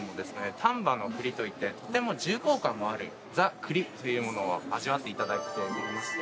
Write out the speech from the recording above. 丹波の栗といってとても重厚感のあるザ・栗というものを味わっていただきたいと思います